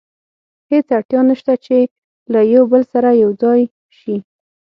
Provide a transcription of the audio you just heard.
هېڅ اړتیا نه شته چې له یو بل سره یو ځای شي.